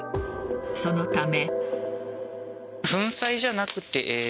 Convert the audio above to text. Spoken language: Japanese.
そのため。